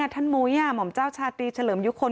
มุ้ยหม่อมเจ้าชาตรีเฉลิมยุคล